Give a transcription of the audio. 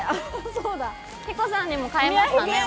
そうだヒコさんにも買いましたね